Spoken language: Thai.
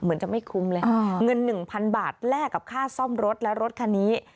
เหมือนจะไม่คุ้มเลยเงิน๑๐๐๐บาทแลกกับค่าซ่อมรถและรถคันนี้